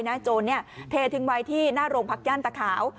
เทรชันทริงไว้ที่หน้าโรงภักดิ์ย่านตะขาว